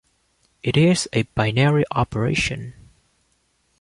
It is a binary operation.